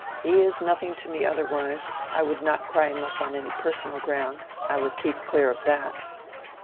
"He is nothing to me otherwise; I would not cry him up on any personal ground—I would keep clear of that."